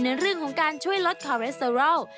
ในเรื่องของการช่วยลดคอเรสเตอรอล